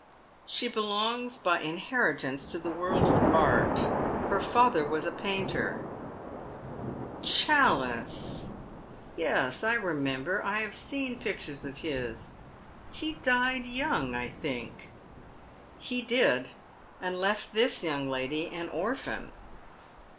" She belongs by inheritance to the world of art. Her father was a painter." " Challice — yes, I remember, I have seen pictures of bis. He died young, I think." Good Samaritant. 235 He did, and left this young lady an orphan."